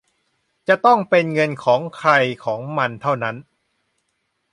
จะต้องเป็นเงินของใครของมันเท่านั้น